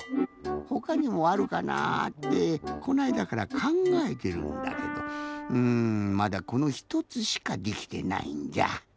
ほかにもあるかなってこのあいだからかんがえてるんだけどうんまだこの１つしかできてないんじゃ。